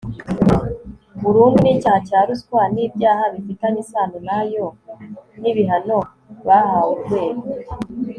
burundu n icyaha cya ruswa n ibyaha bifitanye isano nayo n ibihano bahawe Urwego